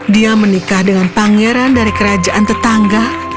dia menikah dengan pangeran dari kerajaan tetangga